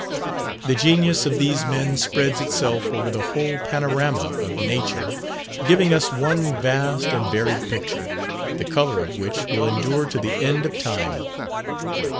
The genius of these men spreads itself over the whole panorama of Nature, giving us one vast and varied picture, the colour of which will endure to the end of time.